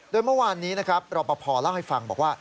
โดยเมื่อวานนี้เราประพอเล่าให้ฟังบอกว่า